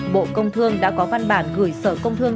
bộ công thương đã có văn bản gửi sở công thương